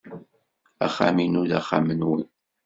Axxam-inu d axxam-nwen.